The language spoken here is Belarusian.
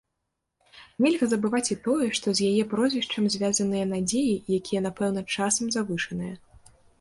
Нельга забываць і тое, што з яе прозвішчам звязаныя надзеі, якія напэўна часам завышаныя.